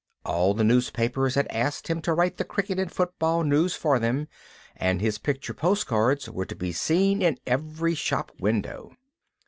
All the newspapers had asked him to write the cricket and football news for them, and his picture postcards were to be seen in every shop window.